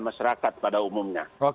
masyarakat pada umumnya